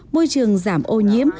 môi trường giảm ô nhiễm